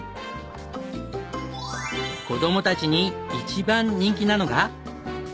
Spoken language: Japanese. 子どもたちに一番人気なのが。